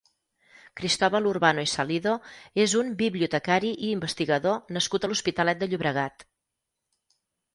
Cristobal Urbano i Salido és un bibliotecari i investigador nascut a l'Hospitalet de Llobregat.